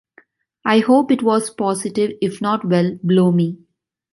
I hope it was positive; if not, well, blow me.